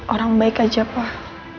orang baik aja pak